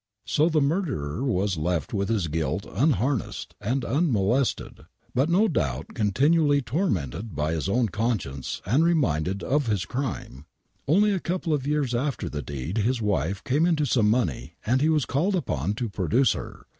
So tbe murderer was ]*dt witb bis guilt unbarrassed and un molested, but no uoubt continually tormented by bis own con ecience and reminded of bis crime. Only a couple of years after tbe deed bis wife came into some money and be was called upon to produce ber.